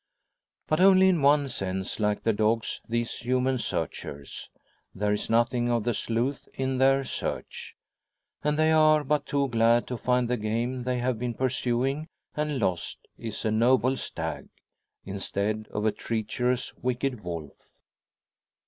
But only in one sense like the dogs these human searchers. There is nothing of the sleuth in their search, and they are but too glad to find the game they have been pursuing and lost is a noble stag, instead of a treacherous wicked wolf.